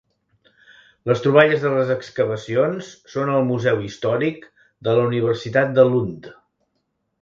Les troballes de les excavacions són al Museu Històric de la Universitat de Lund.